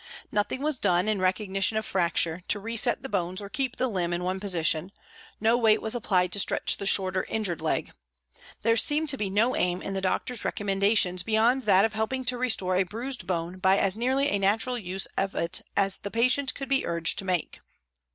Nothing was done, in recognition of fracture, to reset the bones or keep the limb in one position, no weight was applied to stretch the shorter injured leg ; there seemed to be no aim in the doc tor's recommendations beyond that of helping to restore a bruised bone by as nearly a natural use of it as the patient could be urged to make.